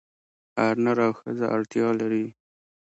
هر نر او ښځه اړتیا لري.